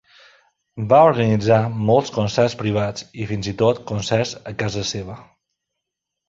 Va organitzar molts concerts privats, i fins i tot concerts a casa seva.